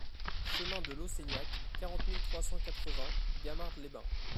Chemin de Lausseignac, quarante mille trois cent quatre-vingts Gamarde-les-Bains